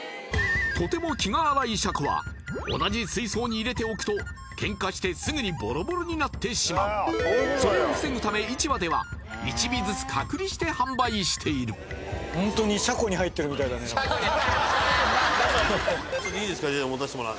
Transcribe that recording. とても気が荒いシャコは同じ水槽に入れておくとケンカしてすぐにボロボロになってしまうそれを防ぐため市場では１尾ずつ隔離して販売しているいいですか持たしてもら